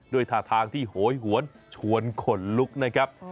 ท่าทางที่โหยหวนชวนขนลุกนะครับ